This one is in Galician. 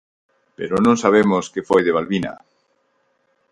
Pero non sabemos que foi de Balbina.